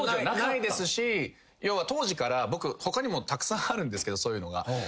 ないですし要は当時から僕他にもたくさんあるんですけどそういうのが。